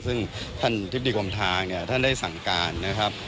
ซึ่งท่านทิบดีกรมทางเนี่ยท่านได้สั่งการนะครับ